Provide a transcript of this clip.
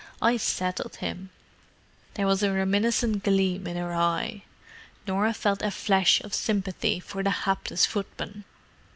I settled him!" There was a reminiscent gleam in her eye: Norah felt a flash of sympathy for the hapless footman.